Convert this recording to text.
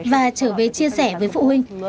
và trở về chia sẻ với phụ huynh